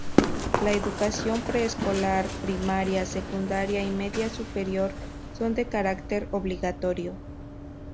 La educación preescolar, primaria, secundaria y media superior son de carácter obligatorio.